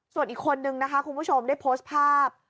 ส่วนอีกคนนึงนะคะคุณผู้ชมได้โพสต์ภาพ